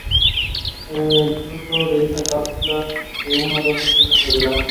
El fruto es una cápsula de uno o dos centímetros de largo.